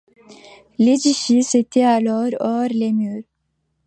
L'édifice était alors hors les murs.